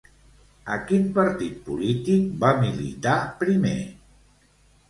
A quin partit polític va militar primer?